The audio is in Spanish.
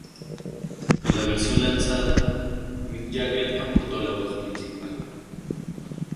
En la versión lanzada, Mick Jagger aportó la voz principal.